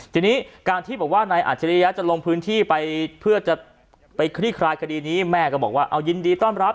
ทีนี้การที่บอกว่านายอัจฉริยะจะลงพื้นที่ไปเพื่อจะไปคลี่คลายคดีนี้แม่ก็บอกว่าเอายินดีต้อนรับ